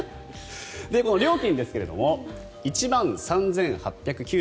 これ、料金ですが１万３８９８円。